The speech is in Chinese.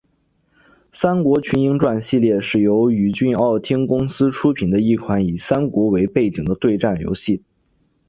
三国群英传系列是由宇峻奥汀公司出品的一款以三国为背景的对战游戏。